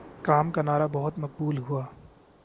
کام کا نعرہ بہت مقبول ہوا